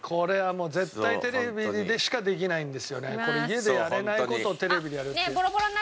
これ家でやれない事をテレビでやるっていう。